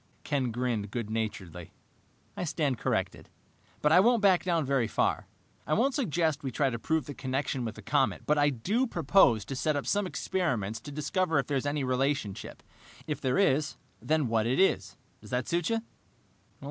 Ken grinned good naturedly. "I stand corrected, but I won't back down very far. I won't suggest we try to prove the connection with the comet, but I do propose to set up some experiments to discover if there is any relationship. If there is, then what it is. Does that suit you?"